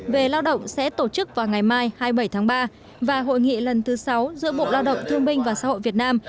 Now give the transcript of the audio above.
về lao động sẽ tổ chức vào ngày mai hai mươi bảy tháng ba và hội nghị lần thứ sáu giữa bộ lao động thương binh và xã hội việt nam